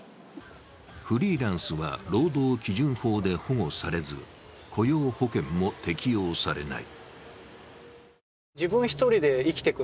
フリーランスは労働基準法で保護されず雇用保険も適用されない。